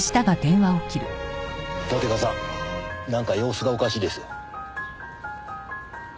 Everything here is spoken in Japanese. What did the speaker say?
騨手川さんなんか様子がおかしいですよ。